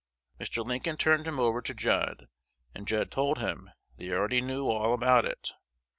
Mr. Lincoln turned him over to Judd, and Judd told him they already knew all about it.